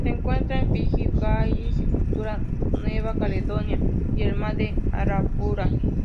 Se encuentra en Fiyi, Wallis y Futuna, Nueva Caledonia y el Mar de Arafura.